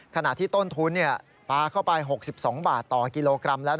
ขณะที่ต้นทุนปลาเข้าไป๖๒บาทต่อกิโลกรัมแล้ว